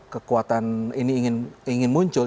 kekuatan ini ingin muncul